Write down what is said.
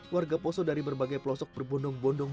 warga poso dari berbagai pelosok berbondong bondong